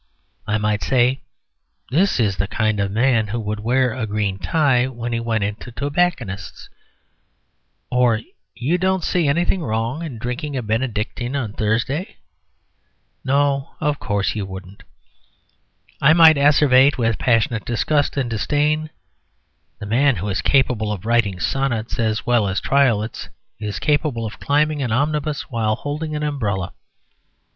I might say: "This is the kind of man who would wear a green tie when he went into a tobacconist's," or "You don't see anything wrong in drinking a Benedictine on Thursday?.... No, of course you wouldn't." I might asseverate with passionate disgust and disdain: "The man who is capable of writing sonnets as well as triolets is capable of climbing an omnibus while holding an umbrella."